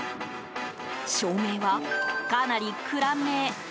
照明は、かなり暗め。